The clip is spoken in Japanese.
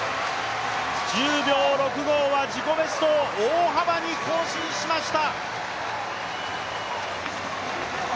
１０秒６５は自己ベストを大幅に更新しました。